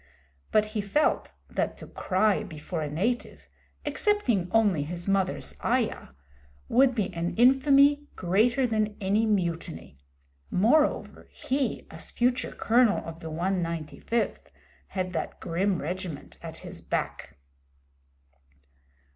But he felt that to cry before a native, excepting only his mother's ayah, would be an infamy greater than any mutiny. Moreover, he, as future Colonel of the 195th, had that grim regiment at his back.